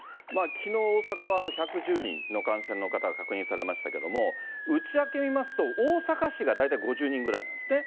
きのう、大阪は１１０人の感染の方が確認されましたけども、内訳見ますと、大阪市が大体５０人ぐらいなんですってね。